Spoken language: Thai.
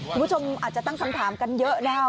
คุณผู้ชมอาจจะตั้งคำถามกันเยอะนะครับ